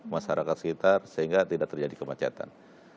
masyarakat sekitar sehingga tidak terjadi kemacetan